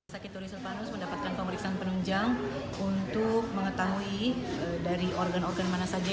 sakit turis silvanus mendapatkan pemeriksaan penunjang untuk mengetahui dari organ organ mana saja